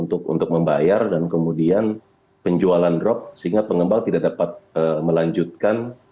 untuk membayar dan kemudian penjualan drop sehingga pengembang tidak dapat melanjutkan